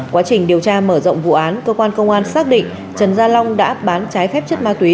quá trình điều tra mở rộng vụ án cơ quan công an xác định trần gia long đã bán trái phép chất ma túy